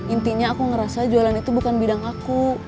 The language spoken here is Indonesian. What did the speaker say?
intinya aku ngerasa jualan itu bukan bidang aku